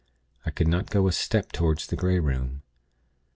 I could not go a step toward the Grey Room.